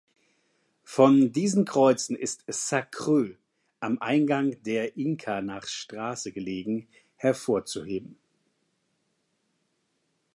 Von diesen Kreuzen ist „sa Creu“, am Eingang der Inca nach Straße gelegen, hervorzuheben.